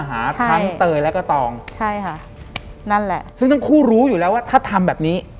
หลังจากนั้นเราไม่ได้คุยกันนะคะเดินเข้าบ้านอืม